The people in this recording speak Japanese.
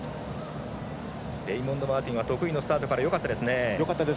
レイモンド・マーティンは得意のスタートからよかったですね。